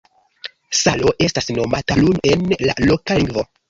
Salo estas nomata "Lun" en la loka lingvo.